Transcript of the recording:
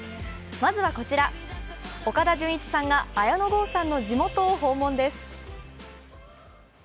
まずはこちら、岡田准一さんが綾野剛さんの地元を訪問です。